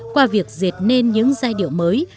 qua việc diệt nên những giai điệu mới